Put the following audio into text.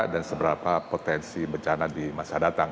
dan seberapa potensi bencana di masa datang